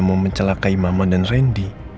memencelakai mama dan randy